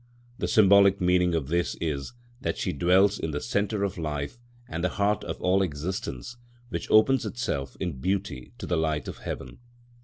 The symbolic meaning of this is, that she dwells in the centre of life and the heart of all existence, which opens itself in beauty to the light of heaven.